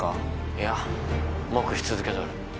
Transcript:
いや黙秘続けとる